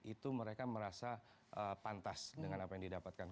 itu mereka merasa pantas dengan apa yang didapatkan